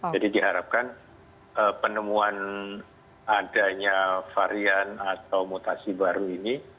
jadi diharapkan penemuan adanya varian atau mutasi baru ini